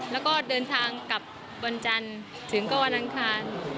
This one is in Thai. แล้วก็เดินทางกลับวันจันทร์ถึงก็วันอังคาร